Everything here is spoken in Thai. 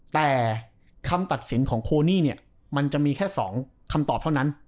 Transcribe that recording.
แต่คำตัดสินของโคนี่เนี่ยมันจะมีแค่๒คำตอบเท่านั้น